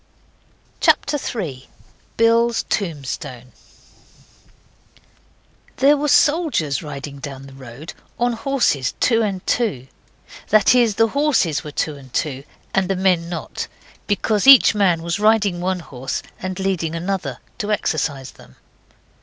CHAPTER 3. BILL'S TOMBSTONE There were soldiers riding down the road, on horses two and two. That is the horses were two and two, and the men not. Because each man was riding one horse and leading another. To exercise them.